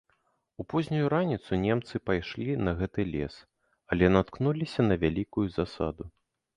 У познюю раніцу немцы пайшлі на гэты лес, але наткнуліся на вялікую засаду.